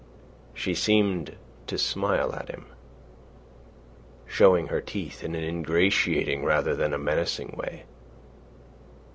She seemed to smile at him, showing her teeth in an ingratiating rather than a menacing way.